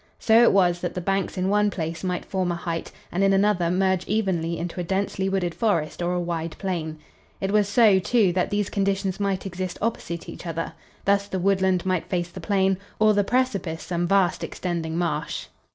So it was that the banks in one place might form a height and in another merge evenly into a densely wooded forest or a wide plain. It was so, too, that these conditions might exist opposite each other. Thus the woodland might face the plain, or the precipice some vast extending marsh.